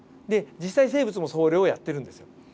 実際に生物もそれをやってるんですよ。